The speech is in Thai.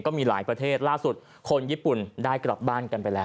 ก็มีหลายประเทศล่าสุดคนญี่ปุ่นได้กลับบ้านกันไปแล้ว